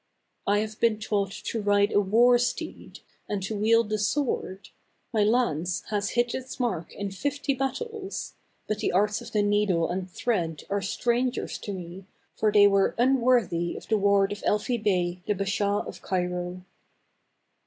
" I have been taught to ride a war steed, and to wield the sword ; my lance has hit its mark in fifty battles ; but the arts of the needle and thread are strangers to me, for they were un worthy of the ward of Elfi Bey, the Bashaw of Cairo."